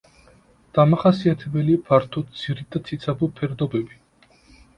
დამახასიათებელია ფართო ძირი და ციცაბო ფერდობები.